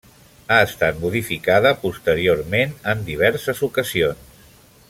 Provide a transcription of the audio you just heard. Ha estat modificada posteriorment en diverses ocasions.